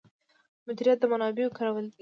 مدیریت د منابعو کارول دي